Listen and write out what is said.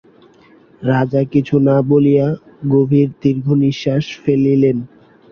রাজা কিছু না বলিয়া গভীর দীর্ঘনিশ্বাস ফেলিলেন।